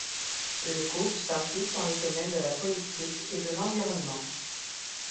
Le couple s'implique dans les domaines de la politique et de l'environnement.